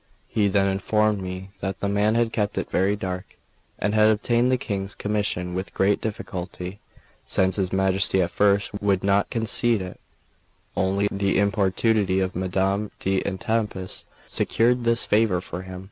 He then informed me that the man had kept it very dark, and had obtained the King's commission with great difficulty, since his Majesty at first would not concede it; only the importunity of Madame d'Etampes secured this favour for him.